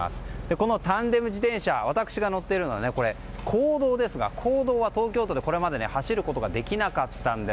このタンデム自転車私が乗っているのは公道ですが東京都では、これまで公道で走ることはできなかったんです。